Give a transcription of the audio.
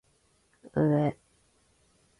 うぇ